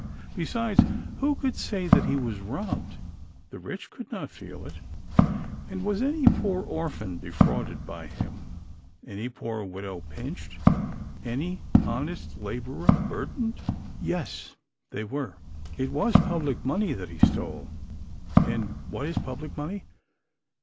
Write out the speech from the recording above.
Besides, who could say that he was robbed? The rich could not feel it; and was any poor orphan defrauded by him, any poor widow pinched, any honest laborer burdened? Yes, they were. It was public money that he stole. And what is public money?